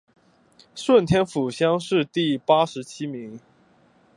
顺天府乡试第八十七名。